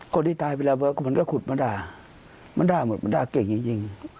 คนที่ตายไปแล้วมันก็ขุดมาด่ามันด่าหมดมันด่าเก่งจริง